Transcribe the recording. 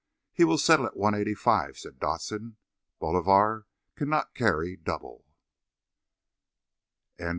"He will settle at one eighty five," said Dodson. "Bolivar cannot carry double."